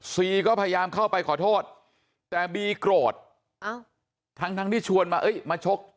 ซีก็พยายามเข้าไปขอโทษแต่บีโกรธทั้งทั้งที่ชวนมาเอ้ยมาชก